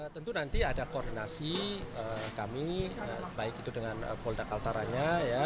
tentu nanti ada koordinasi kami baik itu dengan polda kaltaranya